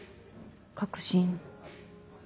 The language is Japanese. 確信。